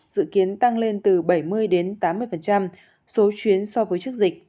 sự kiến tăng lên từ bảy mươi tám mươi số chuyến so với trước dịch